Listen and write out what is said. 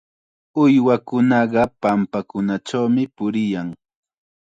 Uywakunaqa pampakunachawmi puriyan.